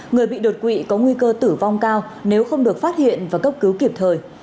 người bị đột quỵ có nguy cơ tử vong cao nếu không được phát hiện và cấp cứu kịp thời